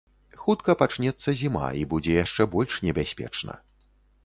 Хутка пачнецца зіма, і будзе яшчэ больш небяспечна.